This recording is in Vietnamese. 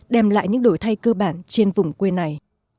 đem lại những đổi thay cơ bản trên vùng quê này